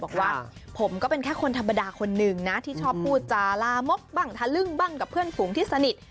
บอกว่าผมก็เป็นแค่คนธรรมดาคนหนึ่งนะที่ชอบพูดจาลามกบ้างทะลึ่งบ้างกับเพื่อนฝูงที่สนิท